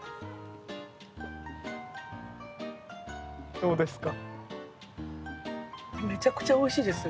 どうですか？